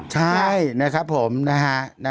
ใช่นะครับผมนะฮะ